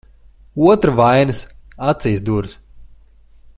Otra vainas acīs duras.